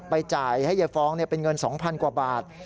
จ่ายให้ยายฟ้องเป็นเงิน๒๐๐กว่าบาท